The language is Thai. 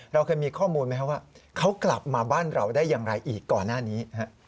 เราเคยมีข้อมูลไหมครับว่าเขากลับมาบ้านเราได้อย่างไรอีกก่อนหน้านี้